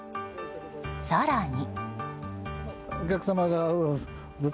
更に。